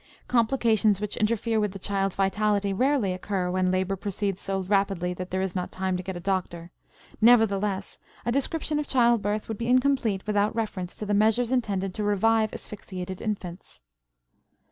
Complications which interfere with the child's vitality rarely occur when labor proceeds so rapidly that there is not time to get a doctor. Nevertheless a description of child birth would be incomplete without reference to the measures intended to revive asphyxiated infants.